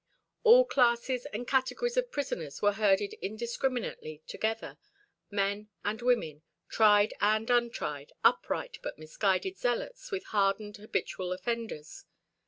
All classes and categories of prisoners were herded indiscriminately together: men and women, tried and untried, upright but misguided zealots with hardened habitual offenders.